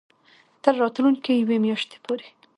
تر راتلونکې یوې میاشتې پورې